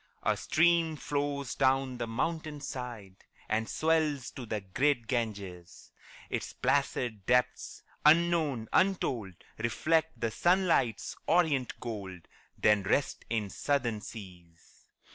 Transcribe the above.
A stream flows down the mountain side, And swells to the great Ganges; Its placid depths, unknown, untold, Reflect the sunlight's orient gold, Then rest in southern seas.